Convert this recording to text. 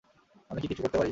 আমি কি কিছু করতে পারি?